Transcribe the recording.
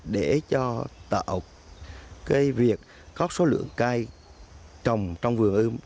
để cho tạo cái việc có số lượng cai trồng trong vườn ươm